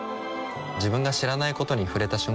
自分が知らないことに触れた瞬間